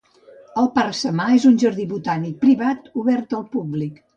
El Parc Samà és un jardí botànic privat obert al públic